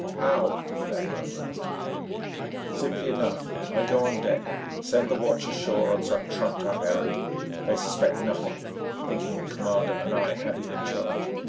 "How?" Lanyard roused him. "Simply enough: I go on deck, send the watch ashore on some trumped up errand. They suspect nothing, thinking the commander and I have you in charge.